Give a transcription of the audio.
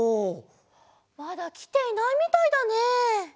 まだきていないみたいだね。